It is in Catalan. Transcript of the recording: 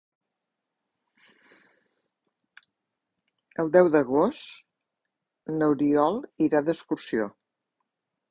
El deu d'agost n'Oriol irà d'excursió.